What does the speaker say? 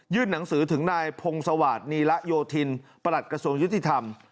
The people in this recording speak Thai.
หนังสือถึงนายพงศวาสนีระโยธินประหลัดกระทรวงยุติธรรม